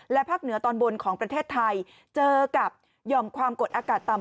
ภาคเหนือตอนบนของประเทศไทยเจอกับหย่อมความกดอากาศต่ำ